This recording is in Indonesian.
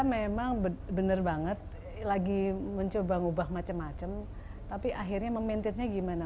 memang bener banget lagi mencoba mengubah macam macam tapi akhirnya memaintengnya gimana